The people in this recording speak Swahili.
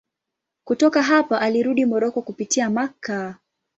Kutoka hapa alirudi Moroko kupitia Makka.